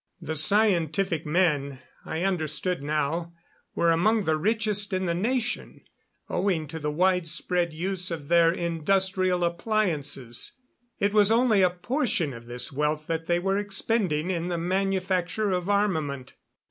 The scientific men, I understood now, were among the richest in the nation, owing to the widespread use of their industrial appliances. It was only a portion of this wealth that they were expending in the manufacture of armament.